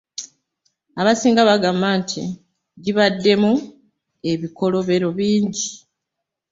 Abasinga bagamba nti gibaddemu ebikolobero bingi.